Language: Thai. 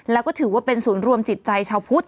แล้วก็ถือว่าเป็นศูนย์รวมจิตใจชาวพุทธ